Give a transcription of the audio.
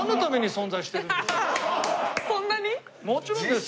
そんなに？